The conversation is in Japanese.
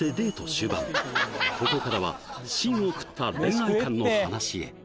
終盤ここからは芯を食った恋愛観の話へ